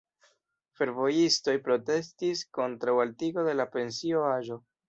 Fervojistoj protestis kontraŭ altigo de la pensio-aĝo.